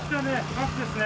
バスですね。